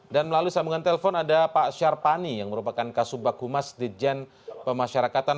dan melalui sambungan telepon ada pak syar pani yang merupakan kasubag humas di jen pemasyarakatan